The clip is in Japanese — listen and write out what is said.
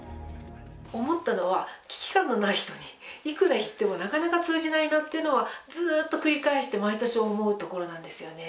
思ったのは、危機感のない人にいくら言ってもなかなか通じないなっていうのは、ずっと繰り返して毎年思うところなんですよね。